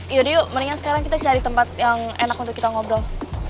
yaudah yuk mendingan sekarang kita cari tempat yang enak untuk kita ngobrol